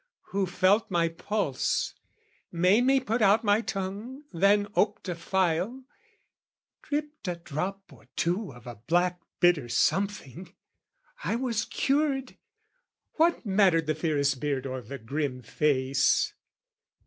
Who felt my pulse, made me put out my tongue, Then oped a phial, dripped a drop or two Of a black bitter something, I was cured! What mattered the fierce beard or the grim face?